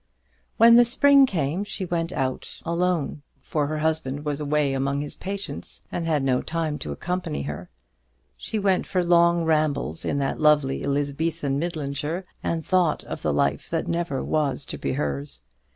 When the spring came she went out alone; for her husband was away among his patients, and had no time to accompany her. She went for long rambles in that lovely Elizabethan Midlandshire, and thought of the life that never was to be hers.